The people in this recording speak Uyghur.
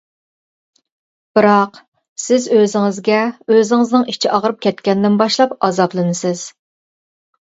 بىراق، سىز ئۆزىڭىزگە ئۆزىڭىزنىڭ ئىچى ئاغرىپ كەتكەندىن باشلاپ ئازابلىنىسىز.